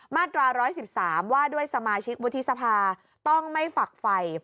มาตรา๑๑๓ว่าด้วยสมาชิกวุฒิสภาต้องไม่ฝักไฟ